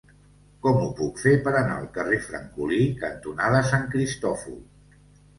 Com ho puc fer per anar al carrer Francolí cantonada Sant Cristòfol?